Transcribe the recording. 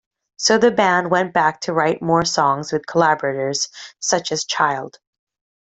So the band went back to write more songs with collaborators such as Child.